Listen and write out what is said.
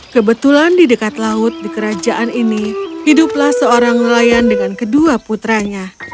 kebetulan di dekat laut di kerajaan ini hiduplah seorang nelayan dengan kedua putranya